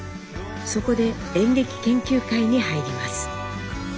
そこで演劇研究会に入ります。